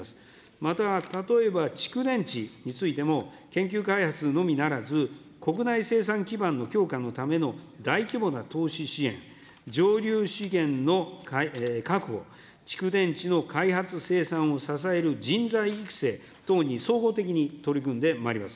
また例えば蓄電池についても、研究開発のみならず、国内生産基盤の強化のための大規模な投資支援、じょうりゅう資源の確保、蓄電池の開発生産を支える人材育成等に相互的に取り組んでまいります。